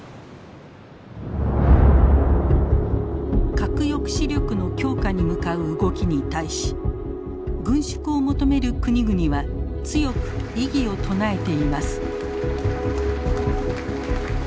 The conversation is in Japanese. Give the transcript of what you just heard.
核抑止力の強化に向かう動きに対し軍縮を求める国々は強く異議を唱えています。